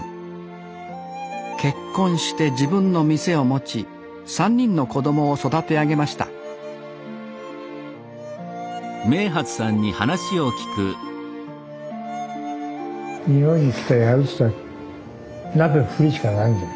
結婚して自分の店を持ち３人の子供を育て上げました日本に来てやるっつったら鍋振るしかないんだよ